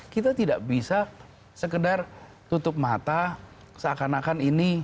kita tidak bisa sekedar tutup mata seakan akan ini